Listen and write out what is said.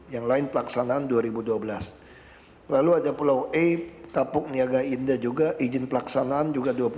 yang lain pelaksanaan dua ribu dua belas lalu ada pulau e tapuk niaga indah juga izin pelaksanaan juga